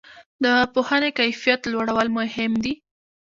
د پوهنې کیفیت لوړول مهم دي؟